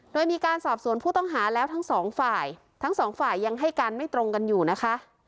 โดยมีการสอบสวนผู้ต้องหาแล้วทั้งสองฝ่ายทั้งสองฝ่ายยังให้การไม่ตรงกันอยู่นะคะ